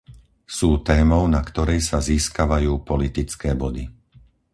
Sú témou, na ktorej sa získavajú politické body.